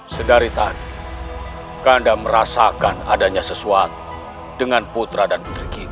sedari tak kak kanda merasakan adanya sesuatu dengan putra dan putri kita